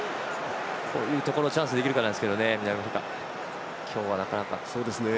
こういうところでチャンスにできるかですが南アフリカは今日は、なかなか。